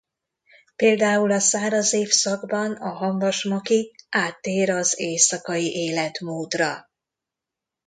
Például a száraz évszakban a hamvas maki áttér az éjszakai életmódra.